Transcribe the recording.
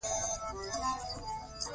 د سالنګ تونل هوا ولې ککړه ده؟